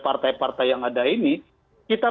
partai partai yang ada ini kita